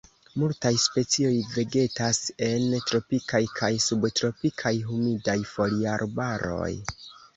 Multaj specioj vegetas en tropikaj kaj subtropikaj humidaj foliarbaroj.